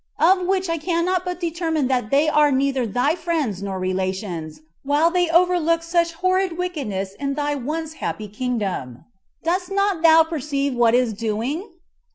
Of which I cannot but determine that they are neither thy friends nor relations, while they overlook such horrid wickedness in thy once happy kingdom. Dost not thou perceive what is doing?